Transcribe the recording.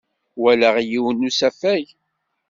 Walaɣ yiwen n usafag.